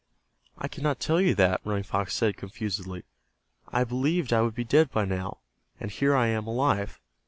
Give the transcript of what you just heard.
"I cannot tell you that," Running Fox said, confusedly. "I believed I would be dead by now, and here I am alive.